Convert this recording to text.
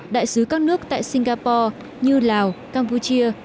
đại sứ các nước tại singapore như lào campuchia